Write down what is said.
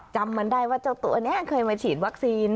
จำมันได้ว่าเจ้าตัวนี้เคยมาฉีดวัคซีน